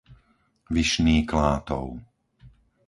Vyšný Klátov